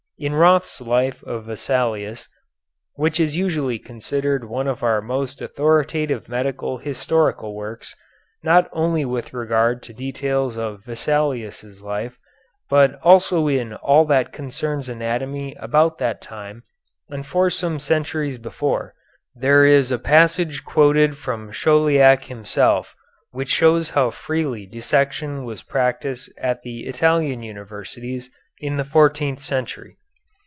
In Roth's life of Vesalius, which is usually considered one of our most authoritative medical historical works not only with regard to the details of Vesalius' life, but also in all that concerns anatomy about that time and for some centuries before, there is a passage quoted from Chauliac himself which shows how freely dissection was practised at the Italian universities in the fourteenth century.